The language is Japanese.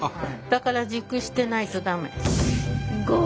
だから熟してないと駄目。